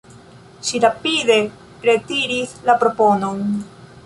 Ŝi rapide retiris la proponon.